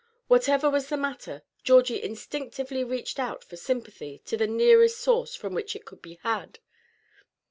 Whatever was the matter, Georgie instinctively reached out for sympathy to the nearest source from which it could be had.